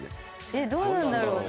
えっどんなんだろう？